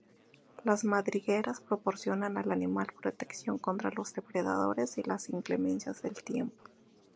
Las madrigueras proporcionan al animal protección contra los depredadores y las inclemencias del tiempo.